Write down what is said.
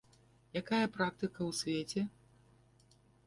Якая практыка ў свеце?